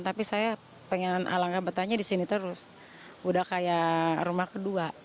tapi saya pengen alangkah betahnya di sini terus udah kayak rumah kedua